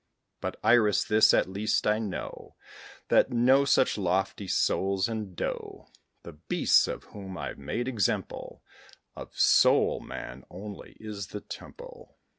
But, Iris, this, at least, I know, That no such lofty souls endow The beasts of whom I've made example: Of soul, man only is the temple.